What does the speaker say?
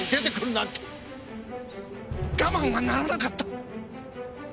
我慢がならなかった！